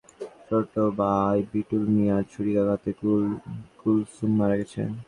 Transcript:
কুলসুমের স্বামীর অভিযোগ, তাঁর ছোটভাই বিটুল মিয়ার ছুরিকাঘাতে কুলসুম মারা গেছেন।